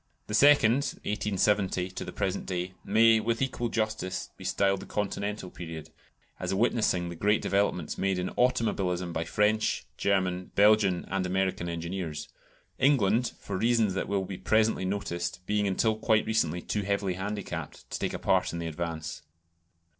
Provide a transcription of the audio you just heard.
The second (1870 to the present day) may, with equal justice, be styled the Continental period, as witnessing the great developments made in automobilism by French, German, Belgian, and American engineers: England, for reasons that will be presently noticed, being until quite recently too heavily handicapped to take a part in the advance.